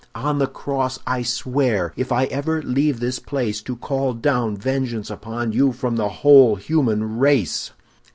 On the cross I swear, if I ever leave this place, to call down vengeance upon you from the whole human race!